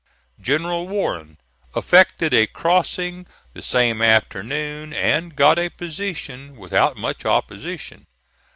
General Warren effected a crossing the same afternoon, and got a position without much opposition.